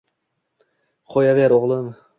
Qo‘yaver, o‘g‘lim.